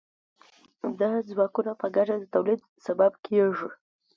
دا ځواکونه په ګډه د تولید سبب کیږي.